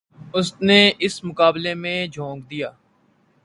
اس نے اس مقابلے میں جھونک دیا۔